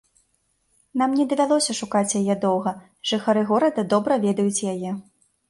Нам не давялося шукаць яе доўга, жыхары горада добра ведаюць яе.